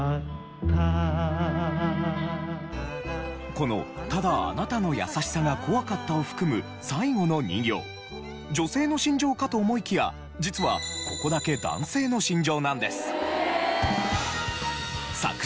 この「ただ貴方のやさしさが怖かった」を含む最後の２行女性の心情かと思いきや実はここだけ男性の心情なんです。